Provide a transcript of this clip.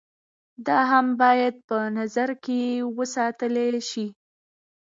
دا هم بايد په نظر کښې وساتلے شي